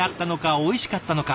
おいしかったのか？